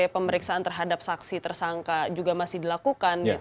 pemeriksaan terhadap saksi tersangka juga masih dilakukan